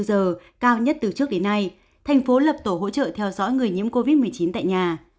giờ cao nhất từ trước đến nay thành phố lập tổ hỗ trợ theo dõi người nhiễm covid một mươi chín tại nhà